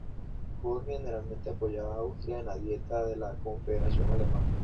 Jorge generalmente apoyaba a Austria en la Dieta de la Confederación Alemana.